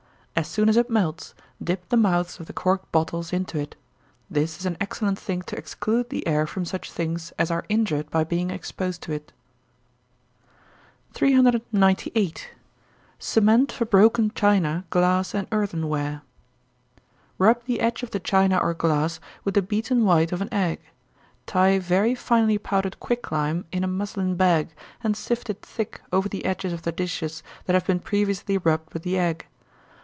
As soon as it melts, dip the mouths of the corked bottles into it. This is an excellent thing to exclude the air from such things as are injured by being exposed to it. 398. Cement for broken China, Glass, and Earthenware. Rub the edge of the china or glass with the beaten white of an egg. Tie very finely powdered quick lime in a muslin bag, and sift it thick over the edges of the dishes that have been previously rubbed with the egg.